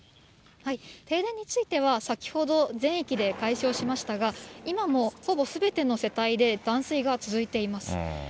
停電については、先ほど全域で解消しましたが、今もほぼすべての世帯で断水が続いています。